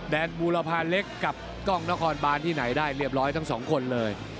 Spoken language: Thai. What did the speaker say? บูรพาเล็กกับกล้องนครบานที่ไหนได้เรียบร้อยทั้งสองคนเลย